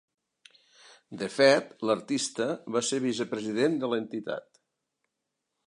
De fet, l’artista va ser vicepresident de l’entitat.